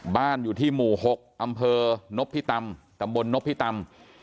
บ้านอยู่ที่หมู่๖อำเภอนพิตำตำบลนพิตำ